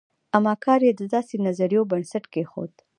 اما کار یې د داسې نظریو بنسټ کېښود.